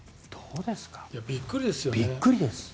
びっくりですよね。